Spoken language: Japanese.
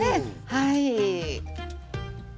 はい。